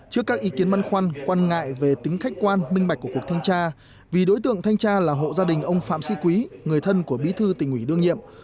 trước các ý kiến băn khoăn quan ngại về tính khách quan minh bạch của cuộc thanh tra vì đối tượng thanh tra là hộ gia đình ông phạm sĩ quý người thân của bí thư tỉnh ủy đương nhiệm